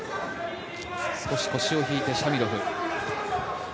少し腰を引いてシャミロフ。